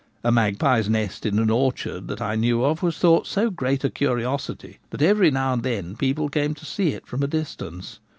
A magpie's nest in an orchard that I knew of was thought so great a curiosity that every now and then people came to see it from a distance.